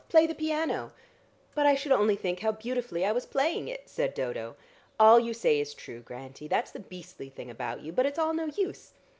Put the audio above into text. Play the piano!" "But I should only think how beautifully I was playing it," said Dodo. "All you say is true, Grantie; that's the beastly thing about you, but it's all no use.